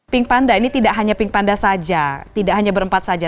pink panda ini tidak hanya pink panda saja tidak hanya berempat saja